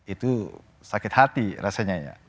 itu sakit hati rasanya ya